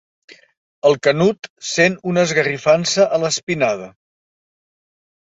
El Canut sent una esgarrifança a l'espinada.